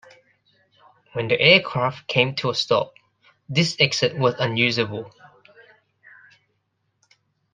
When the aircraft came to a stop, this exit was unusable.